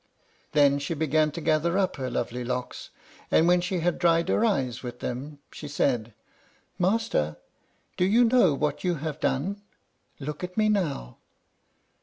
Then she began to gather up her lovely locks; and when she had dried her eyes with them, she said, "Master, do you know what you have done? look at me now!"